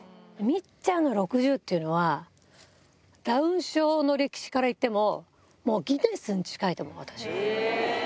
みっちゃんの６０っていうのは、ダウン症の歴史からいっても、もうギネスに近いと思う、私は。